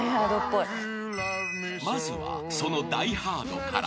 ［まずはその『ダイ・ハード』から］